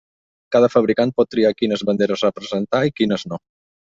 Cada fabricant pot triar quines banderes representar, i quines no.